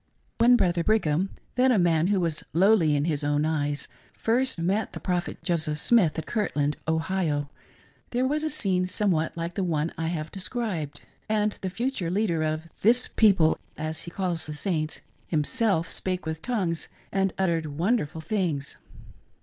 When Brother Brigham — then a man who was lowly in his own eyes— first met the prophet Joseph Smith, at Kirtland, Ohio, there was a scene somewhat like the one I have de scribed ; and the future leader of " this people," as he calls the Saints, himself spake with tongues and uttered wonderful things.